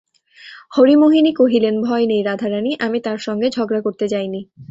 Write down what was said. হরিমোহিনী কহিলেন, ভয় নেই রাধারানী, আমি তাঁর সঙ্গে ঝগড়া করতে যাই নি।